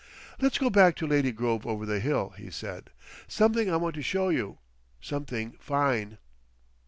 "Let's go back to Lady Grove over the hill," he said. "Something I want to show you. Something fine!"